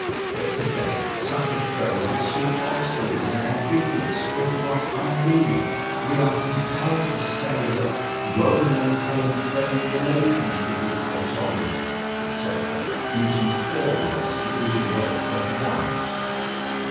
But to day such a phrase would seem obsolete and ambiguous, if not unmeaning: we are compelled to say that "Rome maintained friendly relations with the Ætolians," etc., using four words to do the work of one.